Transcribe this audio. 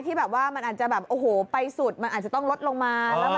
ได่มาแล้วมันก็ให้อยู่ร่วมกันค่ะ